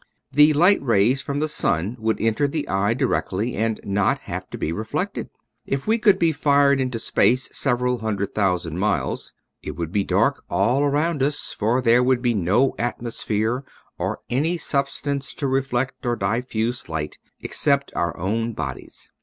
The light rays from the sun would enter the eye directly, and not have to be reflected. If we could be fired into space several hundred thousand miles it would be dark all around us, for there would be no atmosphere or any sub stance to reflect or diffuse light except our own bodies.